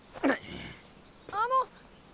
あの。